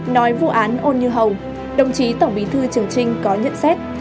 nói vụ án ôn như hồng đồng chí tổng bí thư trường trinh có nhận xét